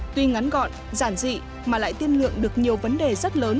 tuy ngắn gọn giản dị mà lại tiên lượng được nhiều vấn đề rất lớn